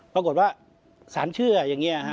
ปรากฏว่าศาลเชื่ออย่างนี้